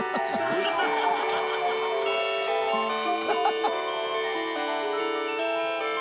「ハハハハ！」